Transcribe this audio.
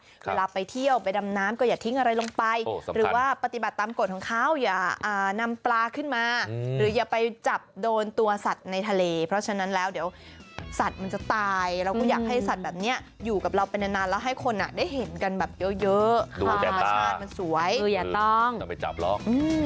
เวลาไปเที่ยวไปดำน้ำก็อย่าทิ้งอะไรลงไปหรือว่าปฏิบัติตามกฎของเขาอย่านำปลาขึ้นมาหรืออย่าไปจับโดนตัวสัตว์ในทะเลเพราะฉะนั้นแล้วเดี๋ยวสัตว์มันจะตายเราก็อยากให้สัตว์แบบนี้อยู่กับเราไปนานแล้วให้คนได้เห็นกันแบบเยอะดูธรรมชาติมันสวยจับหรอก